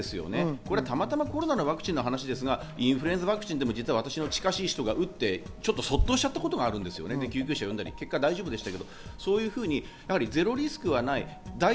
たまたまコロナのワクチンの話ですが、インフルエンザワクチンでも私の近しい人が打って卒倒しちゃったことがあるんです、救急車を呼んだり、結果、大丈夫でしたけど、そういうふうにゼロリスクはない。